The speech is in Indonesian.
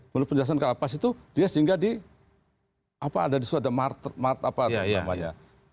menurut penjelasan kalapas itu dia singgah di apa ada di suatu mark apa namanya